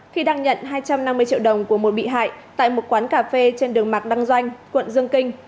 khi đang nhận hai trăm năm mươi triệu đồng của một bị hại tại một quán cà phê trên đường mạc đăng doanh quận dương kinh